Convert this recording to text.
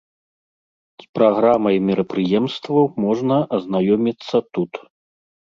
З праграмай мерапрыемстваў можна азнаёміцца тут.